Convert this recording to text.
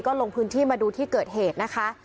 ลงพื้นที่มาดูที่เกิดเหตุนะคะ